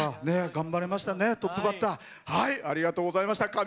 頑張れましたね。